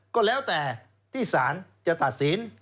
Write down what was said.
ก็แล้วแต่ที่สารจะตัดศีล